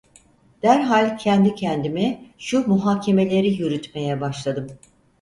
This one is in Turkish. Derhal kendi kendime şu muhakemeleri yürütmeye başladım: